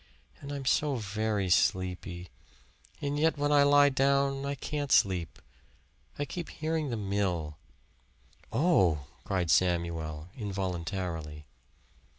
And I'm so very sleepy, and yet when I lie down I can't sleep I keep hearing the mill." "Oh!" cried Samuel involuntarily.